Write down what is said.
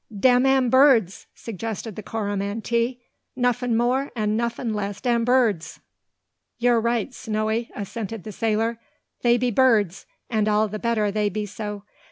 "Dey am birds!" suggested the Coromantee; "nuffin more and nuffin less dan birds!" "You're right, Snowy," assented the sailor. "They be birds; and all the better they be so.